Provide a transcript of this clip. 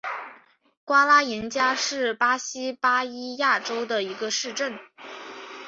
瓜拉廷加是巴西巴伊亚州的一个市镇。